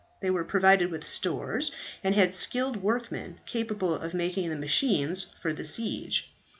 They were provided with stores, and had skilled workmen capable of making the machines for the siege.